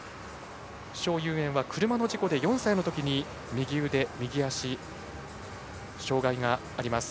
蒋裕燕は車の事故で４歳のときに右腕、右足、障がいがあります。